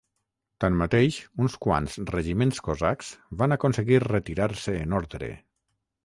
Tanmateix, uns quants regiments cosacs van aconseguir retirar-se en ordre.